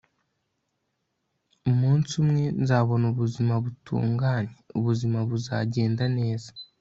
umunsi umwe nzabona ubuzima butunganye; ubuzima buzagenda neza